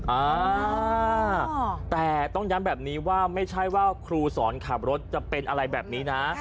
อ่าแต่ต้องย้ำแบบนี้ว่าไม่ใช่ว่าครูสอนขับรถจะเป็นอะไรแบบนี้นะ